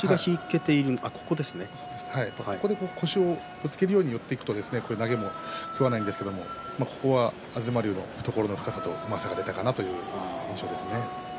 腰をぶつけるように寄っていくと投げも食わないんですけれどここは東龍の懐の深さとうまさが出たかなという印象ですね。